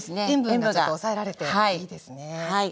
塩分がちょっと抑えられていいですね。